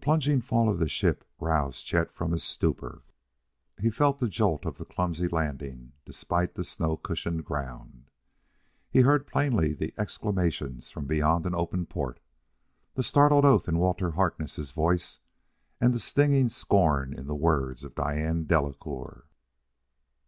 The plunging fall of the ship roused Chet from his stupor. He felt the jolt of the clumsy landing despite the snow cushioned ground; he heard plainly the exclamations from beyond an open port the startled oath in Walter Harkness' voice, and the stinging scorn in the words of Diane Delacouer.